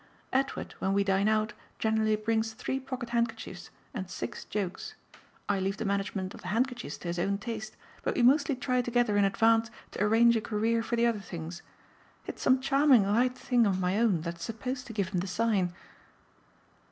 Edward, when we dine out, generally brings three pocket handkerchiefs and six jokes. I leave the management of the handkerchiefs to his own taste, but we mostly try together in advance to arrange a career for the other things. It's some charming light thing of my own that's supposed to give him the sign."